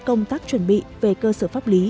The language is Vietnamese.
công tác chuẩn bị về cơ sở pháp lý